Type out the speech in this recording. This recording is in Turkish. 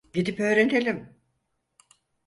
Gidip öğrenelim.